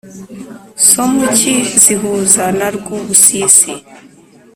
somuki zihuza na rwubusisi